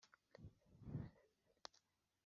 ko ubikora nk’umuhango